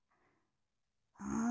うん？